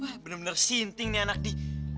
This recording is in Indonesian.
wah bener bener sinting nih anak di